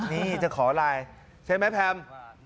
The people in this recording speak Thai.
นี่จะขอลายใช่ไหมแพม